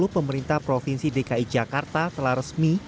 pemerintah provinsi dki jakarta telah resmi